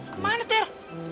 ke mana ter